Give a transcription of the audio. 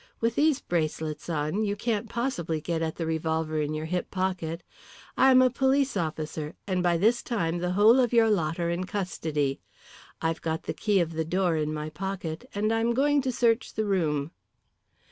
"With these bracelets on you can't possibly get at the revolver in your hip pocket. I am a police officer, and by this time the whole of your lot are in custody. I've got the key of the door in my pocket, and I'm going to search the room."